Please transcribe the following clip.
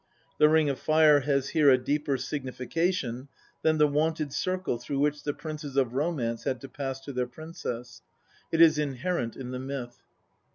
The ring of fire has here a deeper signification than the wonted circle through which the princes of romance had to pass to their princess ; it is inherent in the myth.